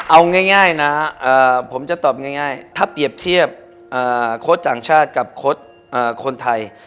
เอาง่ายนะผมจะตอบง่ายถ้าเปรียบเทียบโค้ชต่างชาติกับคนไทย